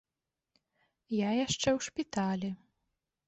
Я яшчэ ў шпіталі.